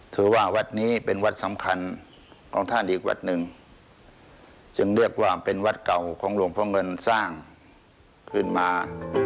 ถือว่าวัดนี้เป็นวัดสำคัญของท่านอีกวัดหนึ่งจึงเรียกว่าเป็นวัดเก่าของหลวงพ่อเงินสร้างขึ้นมา